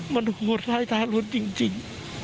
มันหัวท้ายท้ายลุ้นจริง